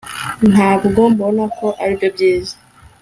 ntabwo mbona ko aribyo byiza